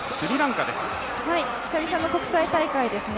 久々の国際大会ですね